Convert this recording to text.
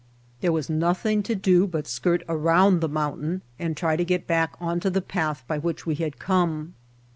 There was nothing to do but skirt around the mountain and try to get back onto the path by which we had come.